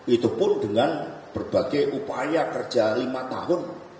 itu pun dengan berbagai upaya kerja lima tahun